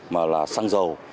mà là xăng dầu